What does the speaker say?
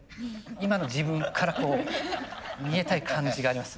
今の自分からこう逃げたい感じがありますね。